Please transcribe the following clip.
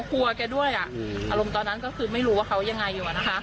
กลัวแกด้วยอ่ะอืมอารมณ์ตอนนั้นก็คือไม่รู้ว่าเขายังไงอยู่อ่ะนะคะ